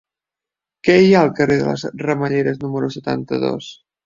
Què hi ha al carrer de les Ramelleres número setanta-dos?